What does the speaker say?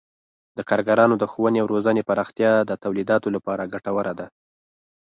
د کارګرانو د ښوونې او روزنې پراختیا د تولیداتو لپاره ګټوره ده.